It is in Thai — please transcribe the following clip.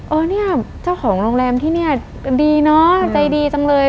เออเนี่ยเจ้าของโรงแรมที่นี่ดีเนอะใจดีจังเลย